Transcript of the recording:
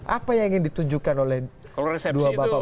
apa yang ingin ditunjukkan oleh dua bapak bapak ini